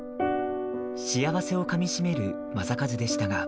幸せをかみ締める正一でしたが。